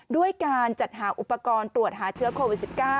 ด้วยการจัดหาอุปกรณ์ตรวจหาเชื้อโควิด๑๙